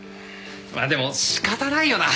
まあでも仕方ないよな。